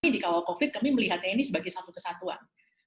di kawal covid kami melihatnya ini sebagai satu kesatuan